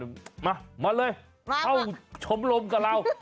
มามาเลยเข้าชมรมกับเรา